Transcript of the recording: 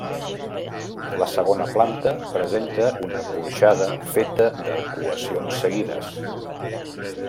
La segona planta presenta una porxada feta d'arcuacions seguides.